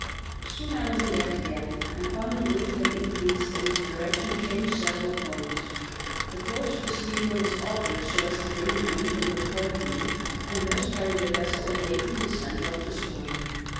Soon I was on deek again and found the wind had increased and its direction changed several points. The course of the steamer was altered so as to bring the wind on the port beam and thus carry the vessel away from the center of the storm.